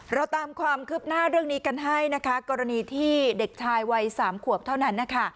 เราตามความคืบหน้าเรื่องนี้กันให้นะคะกรณีที่เด็กชายวัย๓ขวบเท่านั้นนะคะ